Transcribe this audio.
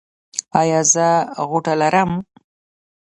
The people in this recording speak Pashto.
ایا زه غوټه لرم؟